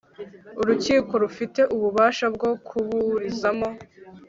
urukiko rufite ububasha bwo kuburizamo